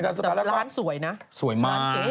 แต่ร้านสวยนะ